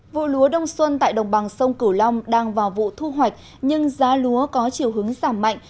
vụ lúa đông xuân tại đồng bằng sông cửu long đang vào vụ thu hoạch nhưng giá lúa có chiều hướng giảm mạnh